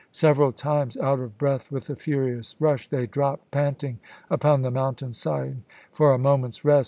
Several times, out of breath with the furious rush, they dropped pant ing upon the mountain side for a moment's rest, Eepfft.